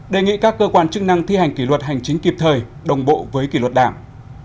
đề nghị các cơ quan chức năng thi hành kỷ luật hành chính kịp thời đồng bộ với kỷ luật đảng